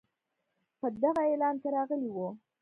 په دغه اعلان کې راغلی وو.